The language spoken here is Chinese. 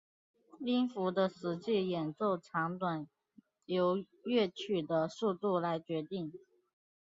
音符的实际演奏长短由乐曲的速度来决定。